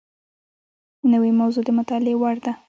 نوې موضوع د مطالعې وړ ده